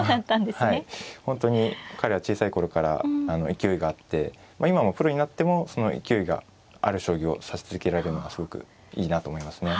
本当に彼は小さい頃から勢いがあって今もプロになってもその勢いがある将棋を指し続けられるのはすごくいいなと思いますね。